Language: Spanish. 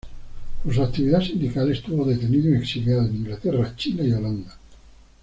Por su actividad sindical estuvo detenido y exiliado en Inglaterra Chile y Holanda.